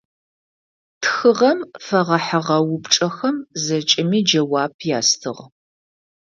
Тхыгъэм фэгъэхьыгъэ упчӏэхэм зэкӏэми джэуап ястыгъ.